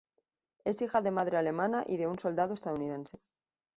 Es hija de madre alemana y de un soldado estadounidense.